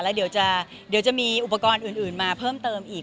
แล้วเดี๋ยวจะมีอุปกรณ์อื่นมาเพิ่มเติมอีก